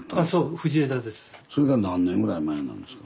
それが何年ぐらい前なんですか？